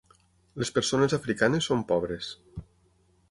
Les persones africanes són pobres.